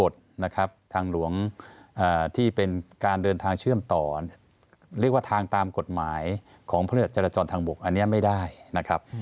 ที่เป็นการเดินทางเชื่อมต่อเรียกว่าทางตามกฎหมายของพระเจรจรจรทางบกอันนี้ไม่ได้นะครับ